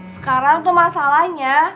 sekarang tuh masalahnya